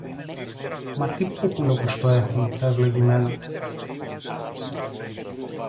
Μα τι πούπουλο που στο έχουν, τα ευλογημένα!